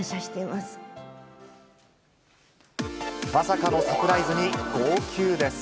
まさかのサプライズに号泣です。